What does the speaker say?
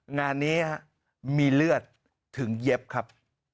งานนี้มีเลือดถึงเย็บครับ